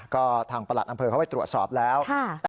ก็ทางประหลัดอำเภอเขาไปตรวจสอบแล้ว